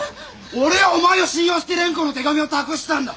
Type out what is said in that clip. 俺はお前を信用して蓮子の手紙を託したんだ！